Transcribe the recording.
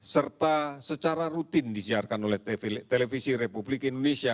serta secara rutin disiarkan oleh televisi republik indonesia